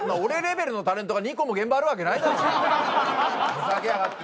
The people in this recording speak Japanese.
ふざけやがって。